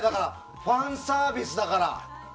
ファンサービスだから。